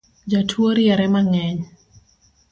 Jatuo riere mang’eny